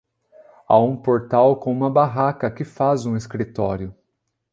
Há um portal com uma barraca que faz um escritório.